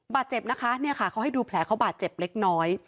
บาดเจ็บนะคะเนี่ยค่ะเขาให้ดูแผลเขาบาดเจ็บเล็กน้อย